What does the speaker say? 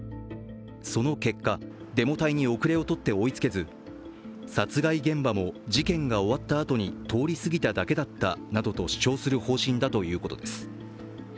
その結果、デモ隊に後れを取って追い付けず殺害現場も事件が終わったあとに通り過ぎただけだったなどと主張する方針だということです。